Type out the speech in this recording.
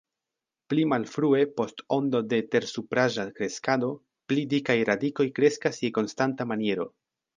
Pli malfrue, post ondo de tersupraĵa kreskado, pli dikaj radikoj kreskas je konstanta maniero.